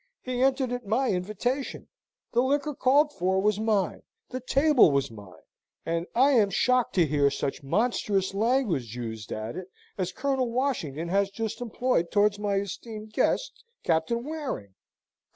He entered at my invitation the liquor called for was mine: the table was mine and I am shocked to hear such monstrous language used at it as Colonel Washington has just employed towards my esteemed guest, Captain Waring."